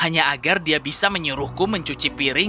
hanya agar dia bisa menyuruhku mencuci piring